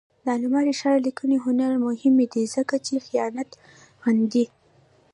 د علامه رشاد لیکنی هنر مهم دی ځکه چې خیانت غندي.